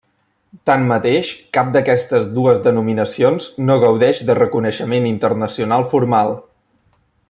Tanmateix cap d'aquestes dues denominacions no gaudeix de reconeixement internacional formal.